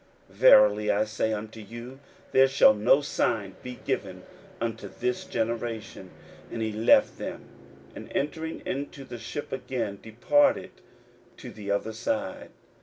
verily I say unto you, There shall no sign be given unto this generation. 41:008:013 And he left them, and entering into the ship again departed to the other side.